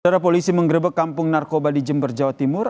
setelah polisi menggerebek kampung narkoba di jember jawa timur